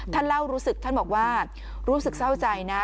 ท่านบอกว่ารู้สึกเศร้าใจนะ